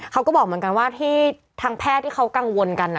เขาก็บอกเหมือนกันว่าที่ทางแพทย์ที่เขากังวลกัน